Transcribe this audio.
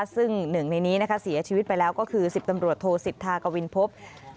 ซึ่งหนึ่งในนี้เสียชีวิตไปแล้วก็คือ๑๐ตำรวจโทสิทธากวินพบ